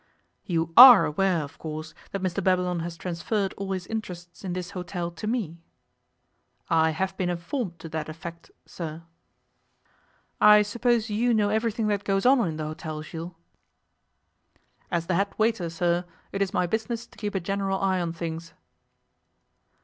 'You are aware, of course, that Mr Babylon has transferred all his interests in this hotel to me?' 'I have been informed to that effect, sir.' 'I suppose you know everything that goes on in the hotel, Jules?' 'As the head waiter, sir, it is my business to keep a general eye on things.